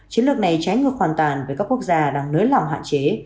chiến lược này trái ngược hoàn toàn với các quốc gia đang nới lòng hạ chế